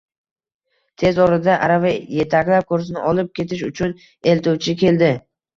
Tez orada arava etaklab kursini olib ketish uchun eltuvchi keldi